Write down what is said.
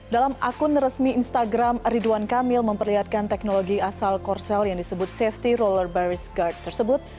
dalam akun resmi instagram ridwan kamil memperlihatkan teknologi asal korsel yang disebut safety roller baris guard tersebut